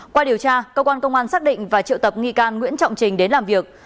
qua điều tra cơ quan công an xác định và triệu tập nghi can nguyễn trọng trình đến làm việc